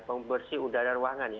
pembersih udara ruangan ya